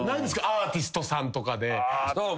アーティストさんとかで。